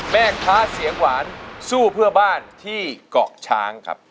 แม่ค้าเสียงหวานสู้เพื่อบ้านที่เกาะช้างครับ